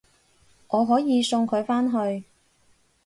我可以送佢返去